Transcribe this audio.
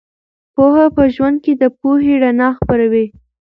پوهه په ژوند کې د پوهې رڼا خپروي.